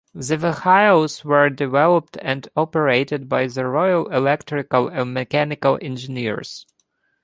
The vehicles were developed and operated by the Royal Electrical and Mechanical Engineers.